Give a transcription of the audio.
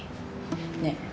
ねえ。